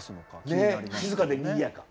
「静かでにぎやか」。